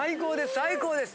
最高です！